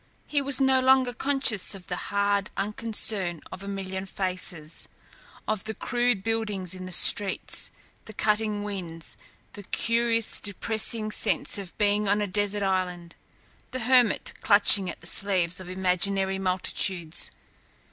He was no longer conscious of the hard unconcern of a million faces, of the crude buildings in the streets, the cutting winds, the curious, depressing sense of being on a desert island, the hermit clutching at the sleeves of imaginary multitudes.